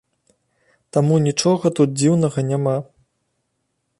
Таму нічога тут дзіўнага няма.